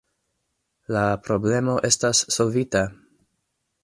La problemo estas solvita!